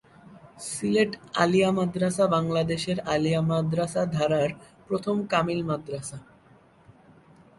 সিলেট আলিয়া মাদ্রাসা বাংলাদেশের আলিয়া মাদ্রাসা ধারার প্রথম কামিল মাদ্রাসা।